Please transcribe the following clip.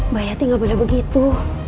bayati gak boleh begitu